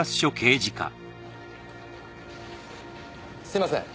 すみません。